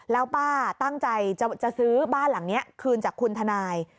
แล้วป้าตั้งใจจะซื้อบ้านหลังนี้คืนจากคุณทนาย